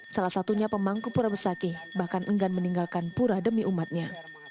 salah satunya pemangku pura besakih bahkan enggan meninggalkan pura demi umatnya